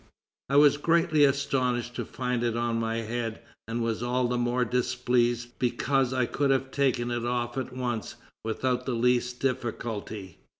I was greatly astonished to find it on my head, and was all the more displeased because I could have taken it off at once without the least difficulty.